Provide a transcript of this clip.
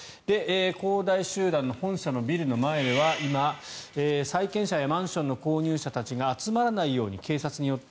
恒大集団の本社のビルの前には今、債権者やマンションの購入者たちが集まらないように、警察によって